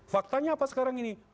faktanya apa sekarang ini